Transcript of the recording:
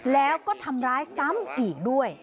แล้วก็ทำร้ายซ้ำอีกด้วย